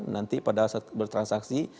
nanti pada saat bertransaksi